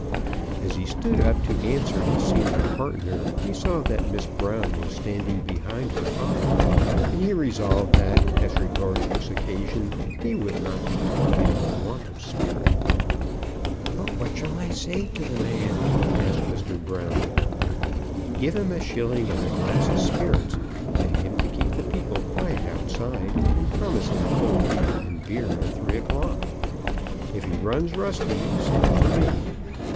As he stood up to answer his senior partner he saw that Miss Brown was standing behind her father, and he resolved that, as regarded this occasion, he would not be taunted with want of spirit. "But what shall I say to the man?" asked Mr. Brown. "Give him a shilling and a glass of spirits; beg him to keep the people quiet outside, and promise him cold beef and beer at three o'clock. If he runs rusty, send for me."